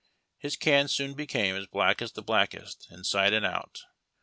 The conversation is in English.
His can soon became as black as the blackest, inside and out.